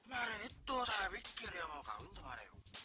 kemarin itu saya pikir ya mau kawin sama reo